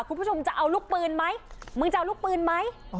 คุณผู้ชมจะเอาลูกปืนไหมมึงจะเอาลูกปืนไหม